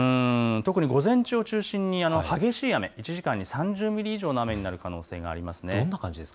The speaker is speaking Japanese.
午前中を中心に激しい雨、１時間に３０ミリ以上の雨になる可能性があります。